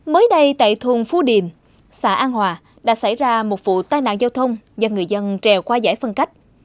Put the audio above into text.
mới đây tại thôn phú điểm xã an hòa đã xảy ra một vụ tai nạn giao thông do người dân trèo qua giải phân cách